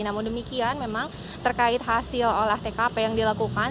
namun demikian memang terkait hasil olah tkp yang dilakukan